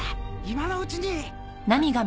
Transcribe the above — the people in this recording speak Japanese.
今のうちに。